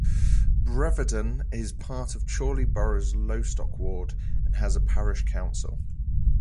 Bretherton is part of Chorley Borough's Lostock ward and has a parish council.